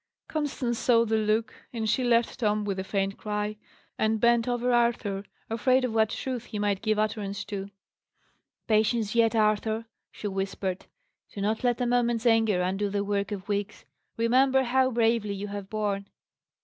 Constance saw the look, and she left Tom with a faint cry, and bent over Arthur, afraid of what truth he might give utterance to. "Patience yet, Arthur!" she whispered. "Do not let a moment's anger undo the work of weeks. Remember how bravely you have borne."